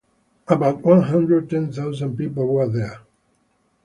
About one hundred ten thousand people were there.